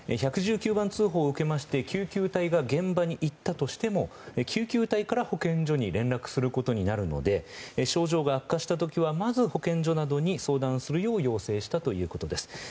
１１９番通報を受けまして救急隊が現場に行ったとしても救急隊から保健所に連絡することになるので症状が悪化した時はまず保健所などに相談するよう要請したということです。